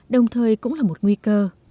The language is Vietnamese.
đồng thời cũng là một nguy cơ